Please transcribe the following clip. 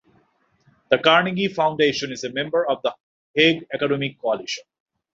The Carnegie Foundation is a member of the Hague Academic Coalition.